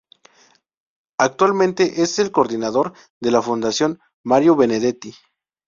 Actualmente es el Coordinador de la Fundación Mario Benedetti.